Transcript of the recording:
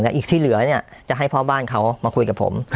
แต่อีกที่เหลือเนี่ยจะให้พ่อบ้านเขามาคุยกับผม